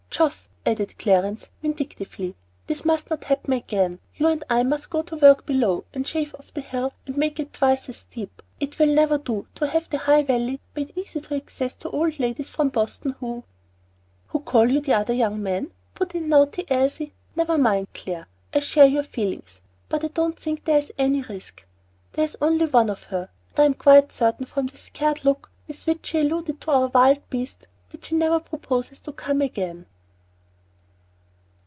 "Geoff," added Clarence, vindictively, "this must not happen again. You and I must go to work below and shave off the hill and make it twice as steep! It will never do to have the High Valley made easy of access to old ladies from Boston who " "Who call you 'the other young man,'" put in naughty Elsie. "Never mind, Clare. I share your feelings, but I don't think there is any risk. There is only one of her, and I am quite certain, from the scared look with which she alluded to our 'wild beasts,' that she never proposes to come again."